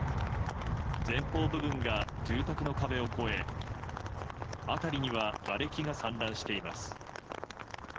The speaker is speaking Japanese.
前方部分が住宅の壁を越え辺りにはがれきが散乱しています。